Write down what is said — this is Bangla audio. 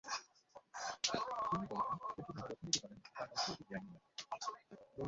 তিনি বলেছেন, প্রেসিডেন্ট যখন এটি করেন, তার অর্থ এটি বেআইনি নয়।